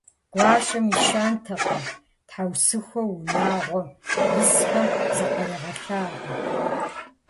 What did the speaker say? Гуащэм и щэнтэкъым тхьэусыхэу унагъуэм исхэм закъригъэлъагъуу.